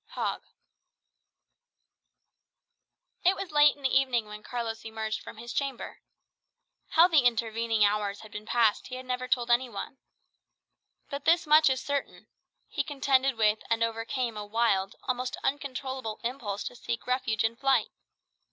Hogg It was late in the evening when Carlos emerged from his chamber. How the intervening hours had been passed he never told any one. But this much is certain, he contended with and overcame a wild, almost uncontrollable impulse to seek refuge in flight.